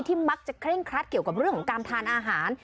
มักจะเคร่งครัดเกี่ยวกับเรื่องของการทานอาหาร